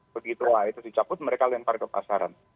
begitu lah itu dicabut mereka lempar ke pasaran